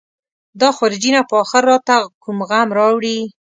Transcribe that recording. دا خورجینه به اخر راته کوم غم راوړي.